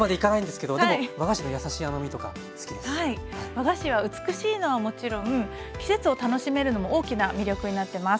和菓子は美しいのはもちろん季節を楽しめるのも大きな魅力になってます。